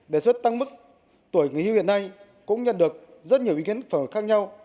đề xuất tăng mức tuổi nghỉ hưu hiện nay cũng nhận được rất nhiều ý kiến khác nhau